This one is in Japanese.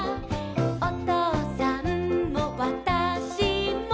「おとうさんもわたしも」